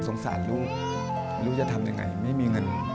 ไม่รู้จะทำยังไงไม่มีเงิน